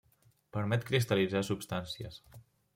Permet cristal·litzar substàncies.